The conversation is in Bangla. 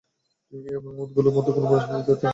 এ অভিমতগুলোর মধ্যে কোন পরস্পর বিরোধিতা নেই।